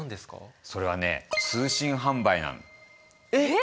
それはねえっ！？